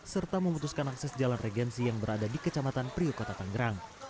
serta memutuskan akses jalan regensi yang berada di kecamatan priokota tangerang